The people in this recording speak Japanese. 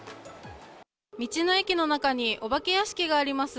道の駅の中にお化け屋敷があります。